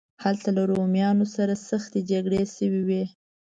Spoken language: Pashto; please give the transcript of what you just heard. هلته له رومیانو سره سختې جګړې شوې وې.